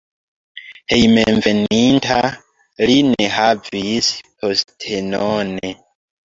Hejmenveninta li ne havis postenon.